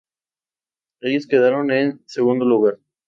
Ellos quedaron en segundo lugar.